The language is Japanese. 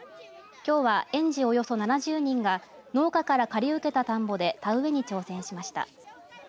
きょうは、園児およそ７０人が農家から借り受けた田んぼで田植えに挑戦しました。